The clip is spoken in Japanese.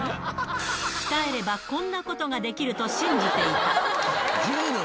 鍛えればこんなことができると信じていた。